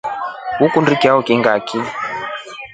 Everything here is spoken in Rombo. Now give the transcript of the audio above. Ukundi chao kii ngachi.